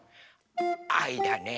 あいだね。